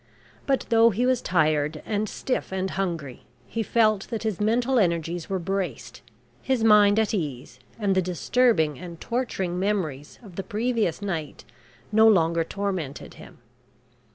But though he was tired, and stiff, and hungry, he felt that his mental energies were braced, his mind at ease, and the disturbing and torturing memories of the previous night no longer tormented him.